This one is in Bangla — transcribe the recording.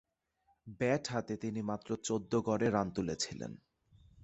ব্যাট হাতে তিনি মাত্র চৌদ্দ গড়ে রান তুলেছিলেন।